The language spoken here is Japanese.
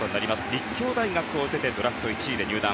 立教大学を出てドラフト１位で入団。